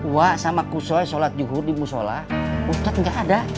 wah sama kushoi sholat yukur di musola ustadz gak ada